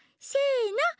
せの！